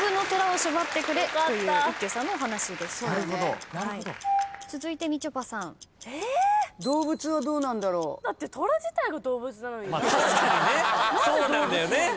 そうなんだよね。